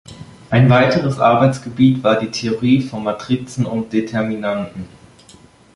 Ein weiteres Arbeitsgebiet war die Theorie von Matrizen und Determinanten.